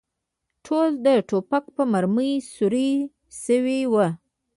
ټول د ټوپک په مرمۍ سوري شوي و.